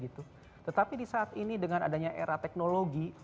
tetapi di saat ini dengan adanya era teknologi